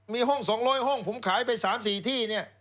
มีห้อง๒๐๐ห้องผมขายไป๓๔ที่เนี่ย